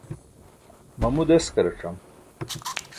mamu deskaracam